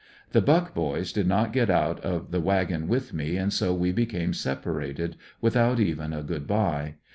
The Buck boys did not get out of the wag on with me and so we became separated without even a good bye.